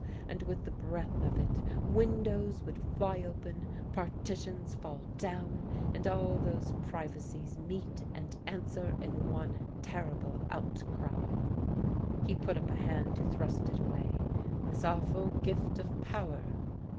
and with the breath of it windows would fly open, partitions fall down, and all those privacies meet and answer in one terrible outcry. He put up a hand to thrust it away this awful gift of power.